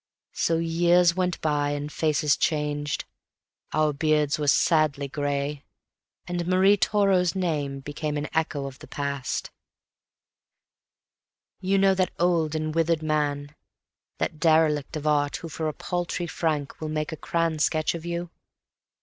So years went by, and faces changed; our beards were sadly gray, And Marie Toro's name became an echo of the past. You know that old and withered man, that derelict of art, Who for a paltry franc will make a crayon sketch of you?